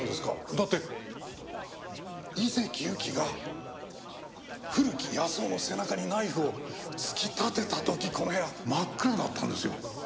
だって井関ゆきが古木保男の背中にナイフを突き立てた時この部屋真っ暗だったんですよ。